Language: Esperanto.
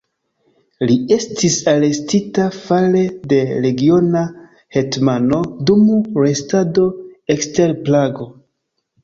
Li estis arestita fare de regiona hetmano dum restado ekster Prago.